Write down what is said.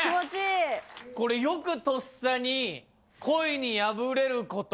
これよく咄嗟に「恋に敗れること」。